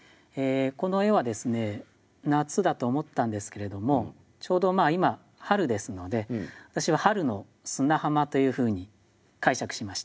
この絵はですね夏だと思ったんですけれどもちょうど今春ですので私は春の砂浜というふうに解釈しました。